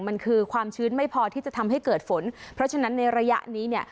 มันคือความชื้นไม่พอที่จะทำให้เกิดฝนเพราะฉะนั้นในระยะนี้เนี่ย